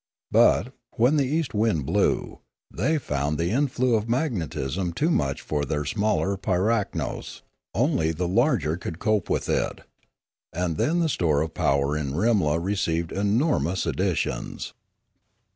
But, when the east wind blew, they found the inflow of magnetism too much for their smaller piraknos; only the larger could cope with it; and then the store of power in Rimla received enormous additions.